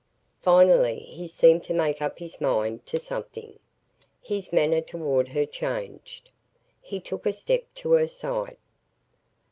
Finally he seemed to make up his mind to something. His manner toward her changed. He took a step to her side.